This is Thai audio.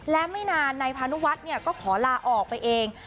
และไม่นานนายพานุวัฒน์ก็ขอลาออกไปเอง